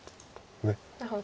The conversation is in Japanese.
なるほど。